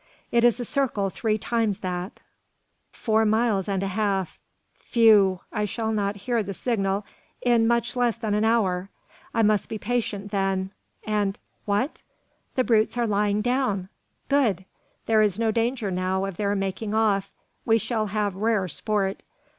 It is a circle three times that: four miles and a half. Phew! I shall not hear the signal in much less than an hour. I must be patient then, and what! The brutes are lying down! Good! There is no danger now of their making off. We shall have rare sport!